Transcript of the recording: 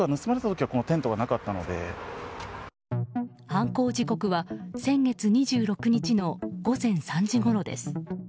犯行時刻は先月２６日の午前３時ごろです。